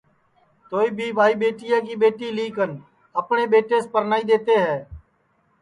توہی بھی ٻائی ٻیٹیا کی ٻیٹی لی کن اپٹؔے ٻیٹیس پرنائی دؔیتے ہے